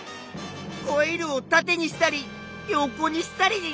コイルをたてにしたり横にしたり。